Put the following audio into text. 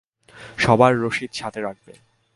সবার রশিদ সাথে রাখবে।